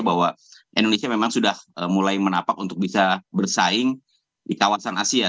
bahwa indonesia memang sudah mulai menapak untuk bisa bersaing di kawasan asia